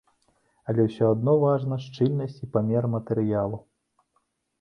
Але ўсё адно важна шчыльнасць і памер матэрыялу.